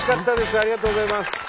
ありがとうございます。